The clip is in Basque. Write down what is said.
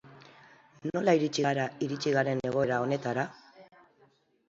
Nola iritsi gara iritsi garen egoera honetara?